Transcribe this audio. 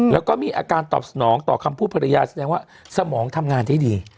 แล้วก็มีอาการตอบสนองต่อคำพูดภรรยาแสดงว่าสมองทำงานได้ดี